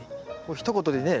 ひと言でね